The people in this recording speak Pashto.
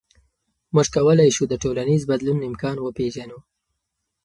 موږ کولی شو د ټولنیز بدلون امکان وپېژنو.